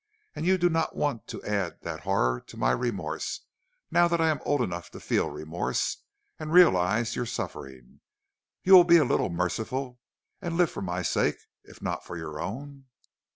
And you do not want to add that horror to my remorse, now that I am old enough to feel remorse, and realize your suffering. You will be a little merciful and live for my sake if not for your own.'